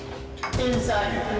天才。